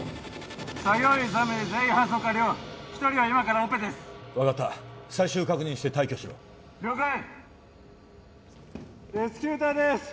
作業員３名全員搬送完了１人は今からオペです分かった最終確認して退去しろ了解レスキュー隊です